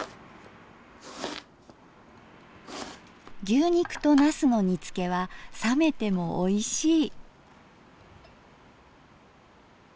牛肉となすの煮つけは冷めてもおいしい。